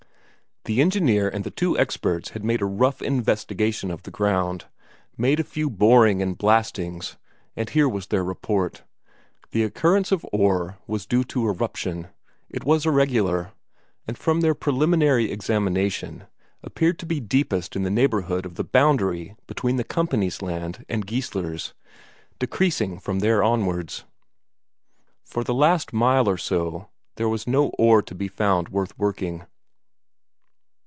The engineer and the two experts had made a rough investigation of the ground, made a few borings and blastings, and here was their report: the occurrence of ore was due to eruption; it was irregular, and from their preliminary examination appeared to be deepest in the neighbourhood of the boundary between the company's land and Geissler's decreasing from there onwards. For the last mile or so there was no ore to be found worth working.